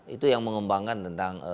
itu yang mengembangkan penangkar maleo